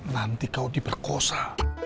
nanti kau diberkosa